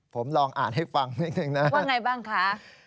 ผมลองอ่านให้ฟังนิดหนึ่งนะครับว่าอย่างไรบ้างคะ